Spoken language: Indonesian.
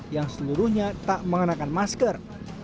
yang seluruhnya tak mengenakan masker